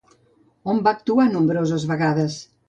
On va actuar nombroses vegades?